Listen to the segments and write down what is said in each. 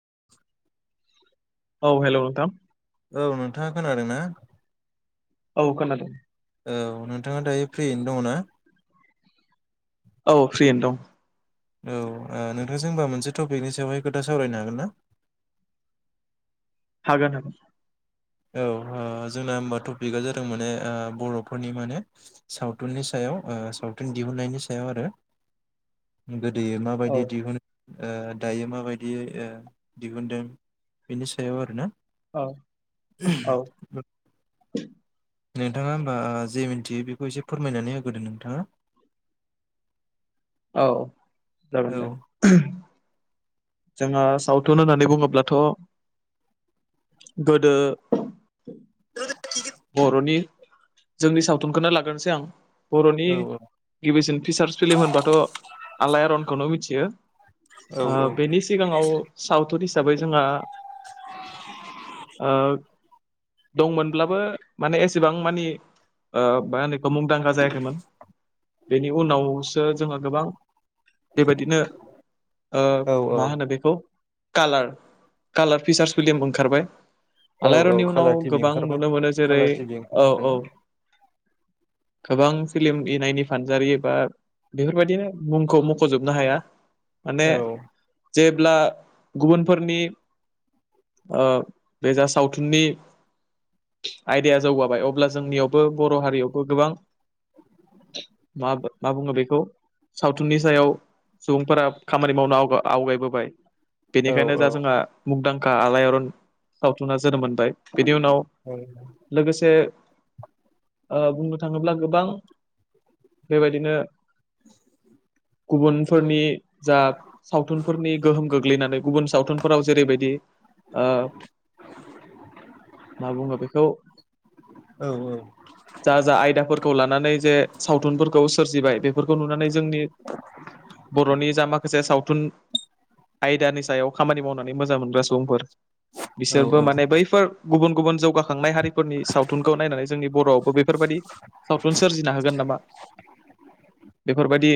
[inaudible] औ हेलौ नोंथां। औ नोंथाङा खोनादों ना? औ खोनादों। औ नोंथाङा दायो फ्रियैनो दङ ना? औ फ्रियैनो दं। औ ओ नोंथांजों होमबा मोनसे टपिकनि सायावहाय खोथा सावरायनो हागोन ना। [inaudible] हागोन हागोन औ ओ जोंना हबा टपिकआ जादों माने ओ बर'फोरनि माने सावथुननि साया व ओ सावथुन दिहुननायनि सायाव आरो गोदो औ माबायदि दिहुनो ओ दायो माबायदि ओ दिहुनदों बेनि सायाव आरोना। औ औ [unintelligible] नोंथाङा होमबा जे मिथियो बेखौ एसे फोरमायनानै होग्रोदों नोंथाङा। औ औ जागोन दे। जोंहा सावथुन होननानै बुङोब्लाथ' गोदो बर'नि जोंनि सावथुनखौनो लाग्रोनोसै आं। बर'नि औ गिबिसिन फिसार्स फिल्म होनबाथ' आलायारनखौनो मिथियो। औ बेनि सिगाङाव सावथुन हिसाबै जोंहा ओ‌ दंमोनब्लाबो माने एसेबां मानि ओ मा होनो बेखौ मुंदांखा जायाखैमोन। बेनि उनावसो जोङो गोबां बेबायदिनो ओ औ औ मा होनो बेखौ कालार कालार फिसार्स फिलिम ओंखारबाय औ औ आलायारननि उनाव कालार टिभि गोबां ओंखारबाय नुनो मोनो जेरै कालार टिभि ओंखारबाय औ औ आरोना गोबां फिल्म इनायनि फानजारि एबा बेफोर बायदिनो मुंखौ मख'जोबनो हाया। माने औ जेब्ला गुबुनफोरनि ओ बे जा सावथुननि आयदाया जौगाबाय अब्ला जोंनियावबो बर' हारियावबो गोबां मा मा बुङो बेखौ सावथुननि सायाव सुबुंफोरा खामानि मावनो आवगायबोबाय। औ बेनिखायनो दा जोंहा मुंदांखा आलायारन सावथुना जोनोम मोनबाय बिनि उनाव औ लोगोसे ओ बुंनो थाङोब्ला गोबां बेबायदिनो गुबुनफोरनि जा सावथुनफोरनि गोहोम गोग्लैनानै गुबुन सावथुनफोराव जेरैबायदि ओ मा बुङो बे खौ औ जा जा आयदाफोरखौ लानानै जे सावथुनफोरखौ सोरजिबाय बेफोरखौ नुनानै जोंनि बर'नि जा माखासे सावथुन आयदानि सायाव खामानि मावनानै मोजां मोनग्रा सुबुंफोर औ बिसोरबो माने बैफोर गुबुन गुबुन जौगाखांनाय हारि फोरनि सावथुनखौ नायनानै जोंनि बर'आवबो बेफोरबायदि सावथुन सोरजिना होगोन नामा? बेफोरबायदि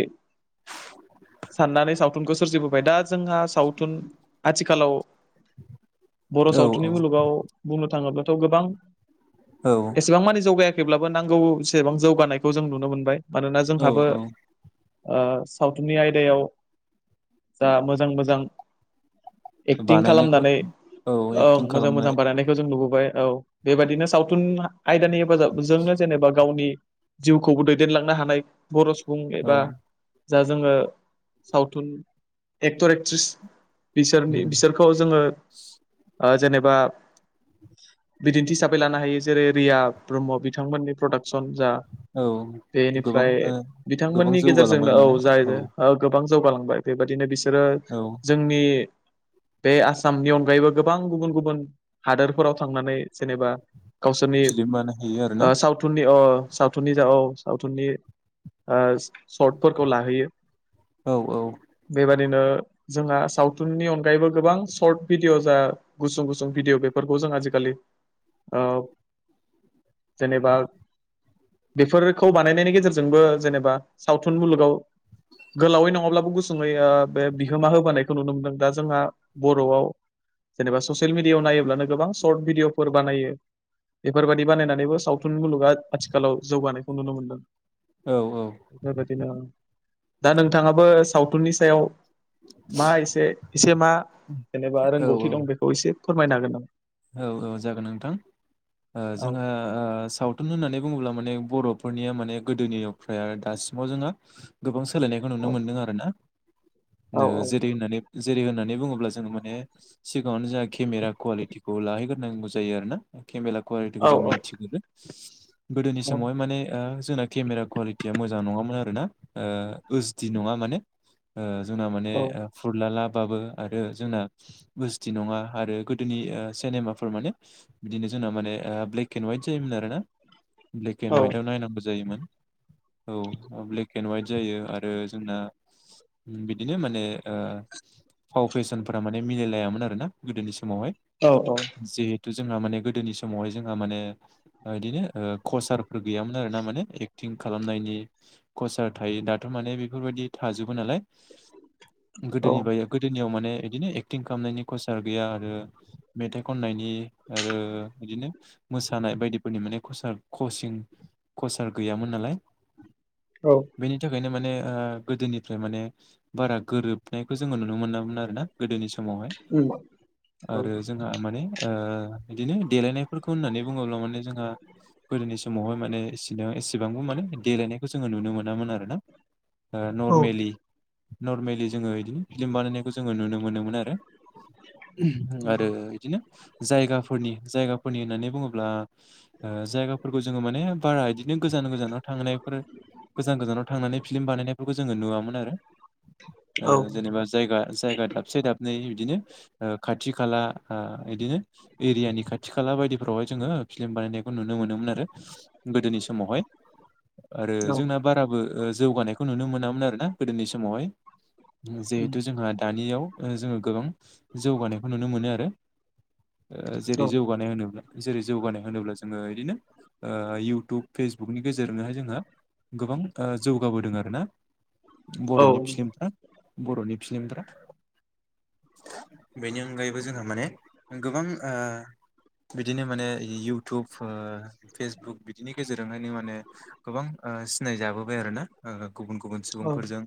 साननानै सावथुनखौ सोरजिबोबाय दा जोंहा सावथुन आथिखालाव बर' औ सावथुननि मुलुगाव बुंनो थाङोब्लाथ' गोबां औ एसेबां मानि जौगायाखै। खैब्लाबो नांगौसेबां जौगानायखौ जों नुनो मोनबाय मानोना औ जोंहाबो औ ओ सावथुननि आयदायाव जा मोजां मोजां एक्टिं बानायनायखौ खालामनानै औ एक्टिं मोजां खालामनाय मोजां बानायनायखौ जों नुबोबाय। औ बेबायाददिनो सावथुन आयदानि हेफाजाबजोंनो जेनेबा गावनि जिउखौबो दैदेनलांनो हानाय बर' सुबुं औ एबा जा जोङो सावथुन एक्टर एक्ट्रिस बिसोरनि बिसोरखौ जोङो ओ जेनेबा बिदिन्थि हिसाबै लानो हायो जेरै रिया ब्रह्म बिथांमोननि प्रडाक्सन जा औ गोबां बेनिफ्राय ओ गोबां बिथांमोननि जौगालांबाय गेजेरजोंनो औ माने जायहैबाय ओ गोबां जौगालांबाय बेबायदिनो बिसोरो औ जोंनि बे आसामनि अनगायैबो गोबां गुबुन गुबुन हादोरफोराव थांनानै जेनेबा गावसोरनि फिलिम बानायहैयो आरोना सावथुननि सावथुननि जा औ सावथुननि सर्टफोरखौ लाहैयो औ औ बेबाद नो जोंहा सावथुननि अनगायैबो गोबां सशर्ट भिडिअ जा गुसुं गुसुं भिडिअ बेफोरखौ जोंहा आजिखालि जेनेबा बेफोरखौ बानायनायनि गेजेरजोंबो जेनेबा सावथुन मुलुगाव गोलावै नङाब्लाबो गुसुङै बे बिहोमा होबोनायखौ नुनो मोनदों दा जोंहा बर'आव जेनेा ससियेल मिडियाआव नायोब्लानो गोबां सर्ट भिडिअ फोर बानायो बेफोरबायादि बानायनानैबो सावथुन मुलुगा आथिखालाव जौगानायखौ नुनो मोनदों। औ औ बिदिनो दा नोंथाङाबो सावथुननि सायाव मा एसे एसे मा जेनेबा औ रोंगौथि दं बेखौ एसे फोरमायनो हागोन नामा? औ औ जागोन नोंथां औ जोंहा सावथुन होननानै बुङोब्ला माने बर' फोरनिया माने गोदोनिफ्राय दासिमाव जोङो गोबां सोलायनायखौ नुनो मोन्दों आर ना। औ जेरै होननानै जेरै होननानै होननानै बुङोब्ला जोङो माने सिगाङावनो जोंहा केमेरा कुवालिटिखौ लाहैग्रोनांगौ जायो आरोना? केमेरा कुवालिटिखौ औ जों औ मिथिग्रो गोदोनि समावहाय माने जोंना केमेरा कुवालिटिया मोजां नङामोन आरोना ओसडि नङा माने जोंना माने औ फुरला ला बाबो आरो जोंना गुस्थि नङा आरो गोदोनि सिनेमाफोर माने बिदिनो जोंना माने ब्लेक एन्ड हवाइट जायोमोन आरो ना? ब्लेक एन्ड औ हवाइटआव नायनांगौ जायोमोन। औ ब्लेक एन्ड हवाइट जायो आरो जोंना बिदिनो माने फाव फेसनफोरा माने मिलायलायामोन आरो ना गोदोनि समावहाय औ औ जिहेथु जोंहा माने गोदोनि समावहाय जोंहा माने बिदिनो कचारफोर गैयामोन आर ना माने एक्टिभ खालामनायनि खसार थायो दाथ' माने बेफोरबायदि थाजोबो नालाय। औ गोदोनि ब गोदोनियाव माने बिदिनो एकटिं खालामनायनि खसार गैया आरो। मेथाइ खननायनि आरो बिदिनो मोसानाय बायदिफोरनि माने कच कचिं कचार गैयामोन नालाय औ बेनि थाखायनो माने माने गोदोनिफ्राय माने बारा गोरोबनायखौ जोङो नुनो मोनामोन आरो ना? गोदोनि समावहाय उम औ आरो जोंहा माने बिदिनो देलायनायफोरखौ होननानै बुङोब्ला माने जोंहा गोदोनि समावहाय माने एसेबांबो माने देलायनायखौ जोङो नुनो मोनामोन आर ना। औ नर्मेलि नर्मेलि जोङो बिदिनो फिलिम बानायनायखौ जोङो नुनो मोनोमोन आरो आरो आरो बिदिनो जायगाफोरनि जायगाफोरनि होननानै बुङोब्ला जायगाफोरखौ जोङो माने बारा बिदिनो गोजान गोजानाव थांनायफोर गोजान गोजानाव थांनानै फिल्म बानायनायफोरखौ जोङो नुवामोन आरो ओ जेनेबा जायगा जायगा दाबसे दाबनै बिदिनो खाथि खाला बिदिनो एरियानि खाथि खाला बायदि फोरावहाय जोङो फिल्म बानायनायखौ नुनो मोनोमोन आरो गोदोनि समावहाय। आरो औ जोंना बाराबो जौगानायखौ नुनो मोनामोन आरो ना गोदोनि समावहाय। जिहेथु जोंहा दानियाव जोङो गोबां जौगानायखौ नुनो मोनो आरो। जेरै जौगानाय होनोब्ला जेरै जौगानाय होनोब्ला जोङो बिदिनो इउटुब फेसबुक बुकनि गेजेरजोंनोहाय जोंहा गोबां जौगाबोदों आरो ना। औ बर'नि फिल्मफ्रा बर'नि फिलिमफ्रा बेनि अनगायैबो जोंहा माने गोबां ओ बिदिनो माने इउटुब ओ फेसबुक बिदिनि गेजेरजोंहायनो माने गोबां ओ सिनाय जाबोबाय आरो ना ओ गुबुन गुबुन सुबुंफोरजों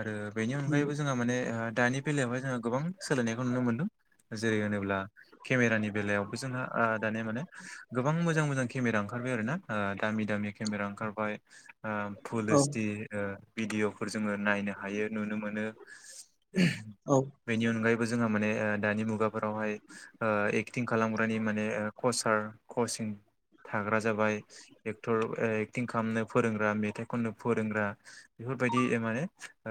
आरो बेनि अनगायैबो जोंहा माने दानि बेलायावहाय जोङो गोबां सोलायनायखौ नुनो मोनदों। जेरै होनोब्ला केमेरानि बेलायावबो जोंहा ओ दानि माने गोबां मोजां मोजां केमेरा ओंखार ओंखारबाय आरो ना दामि दामि केमेरा ओंखारबाय ओ फुल औ ओइसडि ओ भिदिअफोर जोङो नायनो हायो नुनो मोनो। औ बेनि अनगायैबो जों माने ओ दानि मुगाफोरावहाय ओ एक्टिं खालामग्रानि माने कचार कचिं थाग्रा जाबाय एक्टर ओ एक्टिं खालामनो फोरोंग्रा मेथाइ खननो फोरोंग्रा बेफोरबायदि ए माने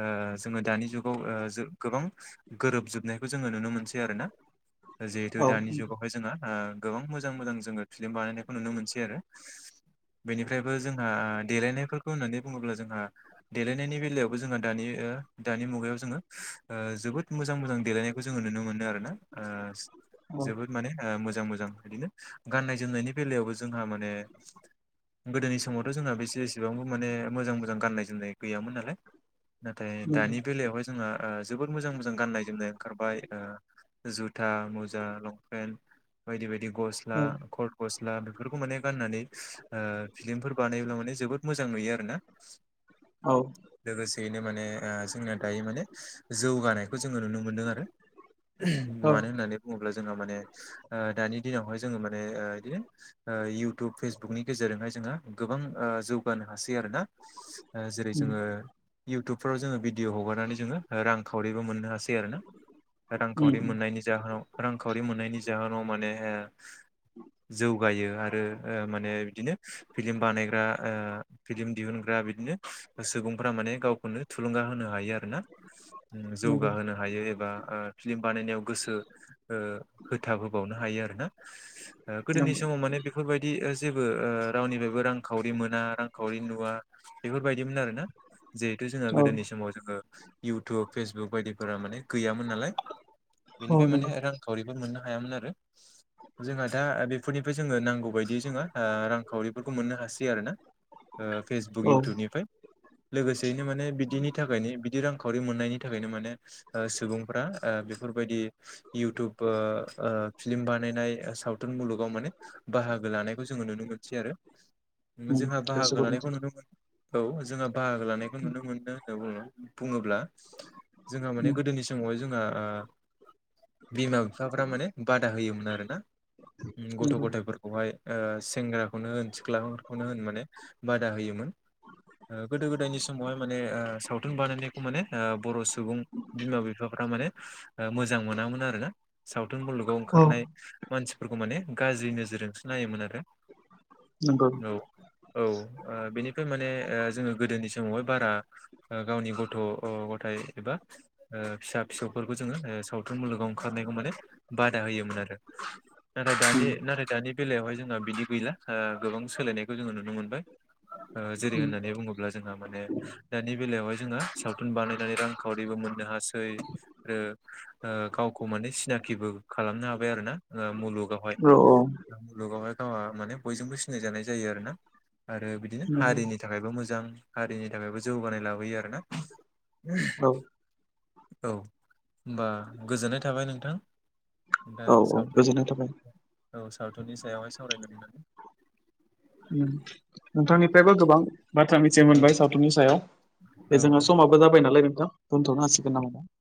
ओ जोङो दानि जुगाव ओ गोबां गोरोब जोबनायखौ जोङो नुनो मो नो आरो ना जिहेतु औ दानि नंगौ जुगावहाय जोंहा ओ गोबां मोजां मोजां जोङो फ्लिम बानायनायखौ नुनो मोनसै आरो। बेनिफ्रायबो जोंहा देलायनायफोरखौ होननानै बुङोब्ला जोंहा देलायनायनि बेलायावबो जोंहा दानि दानि मुगायाव जोङो ओ जोबोद मोजां मोजां देलायनायखौ जोङो नुनो मोन आरोना ओ औ जोबोद माने ओ मोजां मोजां बिदिनो गाननाय जोमनायनि बेलायावबो जोंहा माने गोदोनि समावथ' जोंहा बेसे एसेबांबो माने मोजां मोजां गाननाय जोमनाय गैयामोन नालाय नाथाय नंगौ दानि बेलायावहाय जोंहा ओ जोबोद मोजां मोजां गाननाय जोमनाय ओंखारबाय ओ जुथा मुजा लंपेन्ट बायदि बायदि। गस्ला कट गस्ला बेफोरखौ माने गाननानै ओ फिलिमफोर बानायोब्ला माने जोबोद मोजां नुयो आरो ना। औ। लोगोसेयैनो माने ओ जोंना दायो माने जौगानायखौ जोङो नुनो मोनदों आरो। औ मानो होननानै बुङोब्ला जोंहा माने ओ दानि दिनावहाय जोङो माने ओ बिदिनो ओ इउटुब फेसबुकनि गेजेरजोंहाय जोङो गोबां ओ जौगानो हासै यो आरोना ओ जेरै उम जोङो इउटुब फोराव जोङो भिदिअ हगारनानै जोङो रांखावरिबो मोननो हासै आरोना। उम रांखावरि मोननायनि जाहोनाव रांखावरि मोननायनि जाहोनाव माने जौ गायो आरो ओ माने बिदिनो फिलिम बानायग्रा ओ फिलिम दिहुनग्रा बिदिनो सुबुंफोरा माने गावखौनो थुलुंगा होनो हायो आरो ना। नंगौ जौगाहोनो हायो एबा ओ फिल्म बानायनायाव गोसो ओ होथाब होबावनो हायो आरो ना। गोदोनि नंगौ समाव माने बेफोरबायदि ओ जेबो ओ रावनिफ्रायबो रांखावरि मोना रांखावरि नुवा बेफोरबायदिमोन आरोना? जिहेतु जोंहा औ गोदोनि समाव जोङो इयउटुब फेसबुक बायदिफोरा माने गैयामोन नालाय औ बेनिफ्राय नंगौ माने रांखावरिफोर मोननो हायामोन आरो जोंहा दा बे फोरनिफ्राय जोङो नांगौ बायदियै जोङो ओ रांखावरिफोरखौ मोननो हासै आरो ना। ओ फेसबुक औ इउटुबनिफ्राय। लोगोसेयैनो माने बिदिनि थाखायनो बिदि रांखावरि मोननायनि थाखायनो माने ओ सुबुंफ्रा ओ बेफोरबायदि इउटुब ओ ओ फिल्मि बानायनाय सावथुन मुलुगाव माने बाहागो लानायखौ जोङो नुनो मोनसै आरो उम जोंहा गोसो बाहागो गुदुं लानायखौ नोंथांमोन औ जोंहा बाहागो लानायखौ नुनो मोनो होनना बुङो बुङोब्ला जोंहा माने उम गोदोनि समावहाय जोंहा आ बिमा बिफाफ्रा माने बादा होयोमोन आरो ना गथ' नंगौ गथायाइफोरखौहाय। ओ सेंग्राखौनो होन सिख्लाफोरखौनो होन माने बादा होयोमोन। ओ गोदो गोदायनि समावहाय माने ओ सावथुन बानायनायखौ माने ओ बर' सुबुं बिमा फोरा माने मोजां मोनामोन आरोना सावथुन मुलुगाव औ ओंखारनाय मानसि फोरखौ माने गाज्रि नोजोरजोंसो नायोमोन आरो। नंगौ औ औ ओ बेनिफ्राय माने ओ जोङो गोदोनि समावहाय बारा ओ गावनि गथ' अ गथायाइ एबा ओ फिसा फिसौफोरखौ जोङो सावथुन मुलुगाव ओंखारनायखौ माने बादा होयोमोन आरो। नाथाय दानि उम नाथाय दानि बेलायावहाय जोंहा बिदि गैला ओ गोबां सोलायनायखौ जोङो नुनो मोनबाय। ओ जेरै उम होननानै बुङोब्ला जोंहा माने दानि बेलायावहाय जोङो सावथुन बानायनानै रांखावरिबो मो मोननो हासै। ओ ओ गावखौ माने सिनाखिबो खालामनो हाबाय आरो ना ओ मुलुगावहाय। औ औ [unintelligible] बहाय गावहा माने बयजोंबो सिनायजानाय जायो आरोना आरो बिदिनो नंगौ हारिनि थाखायबो मोजां। हारिनि थाखायबो जौगानाय लाबोयो आरोना। औ औ होमबा गोजोननाय थाबाय नोंथां। दा औ औ सावथुननि गोजोननाय थाबाय। औ सावथुननि सायावहाय सावरायनो मोननानै। उम नोंथांनिफ्रायबो गोबां बाथ्रा मिथिनो औ मोनबाय सावथुननि सायाव दे औ जोंहा औ समाबो जाबाय नालाय नोंथां दोनथ'नो हासिगोन नामा दा?